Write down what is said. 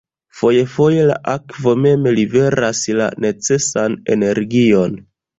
Fojfoje la akvo mem liveras la necesan energion.